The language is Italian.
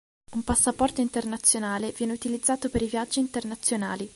Un passaporto internazionale viene utilizzato per i viaggi internazionali.